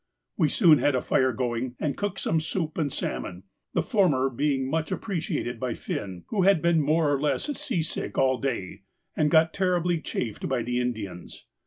We soon had a fire going, and cooked some soup and salmon, the former being much appreciated by Finn, who had been more or less sea sick all day and got terribly chaffed by the Indians.